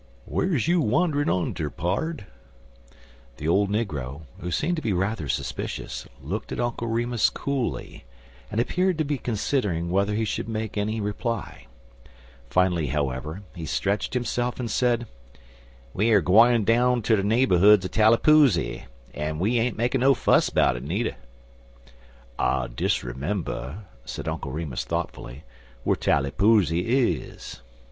"Whar is you m'anderin' unter, pard?" The old negro, who seemed to be rather suspicious, looked at Uncle Remus coolly, and appeared to be considering whether he should make any reply. Finally, however, he stretched himself and said: "We er gwine down in de naberhoods er Tallypoosy, an we ain't makin' no fuss 'bout it, nudder." "I disremember," said Uncle Remus, thoughtfully, "whar Tallypoosy is."